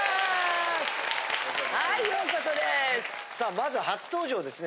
まず初登場ですね